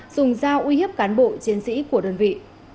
dùng dao uy hiếp cán bộ chiến sĩ của đơn vị